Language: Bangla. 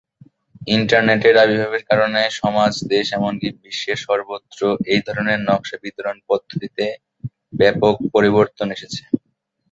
ইন্টারনেটের আবির্ভাবের কারণে সমাজ, দেশ এমনকি বিশ্বের সর্বত্র এই ধরনের নকশা বিতরণ পদ্ধতিতে ব্যাপক পরিবর্তন এসেছে।